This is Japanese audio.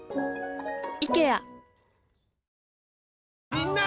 みんな！